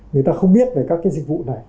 người ta không biết về các cái dịch vụ này